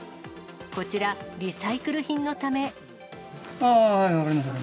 こちら、リサイクル品のため。